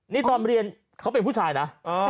นี่ตอนเรียนเขาเป็นผู้ชายนะ